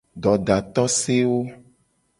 Dodatosewo.